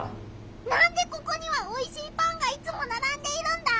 なんでここにはおいしいパンがいつもならんでいるんだ？